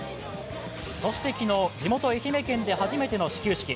そして昨日、地元・愛媛県で初めての始球式。